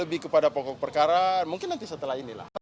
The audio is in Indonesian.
lebih kepada pokok perkara mungkin nanti setelah inilah